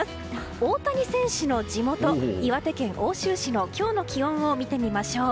大谷選手の地元・岩手県奥州市の今日の気温を見てみましょう。